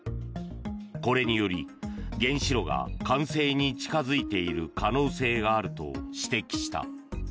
これにより、原子炉が完成に近付いている可能性があると指摘した。